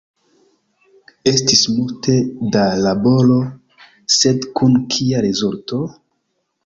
Estis multe da laboro, sed kun kia rezulto?